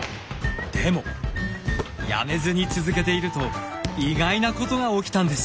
でもやめずに続けていると意外なことが起きたんです。